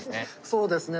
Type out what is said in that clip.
そうですね。